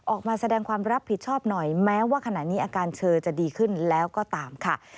ออกมาแสดงความรับผิดชอบหน่อยแม้ว่าขณะนี้อาการเธอจะดีขึ้นแล้วก็ตามค่ะ